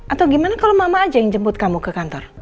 atau gimana kalau mama aja yang jemput kamu ke kantor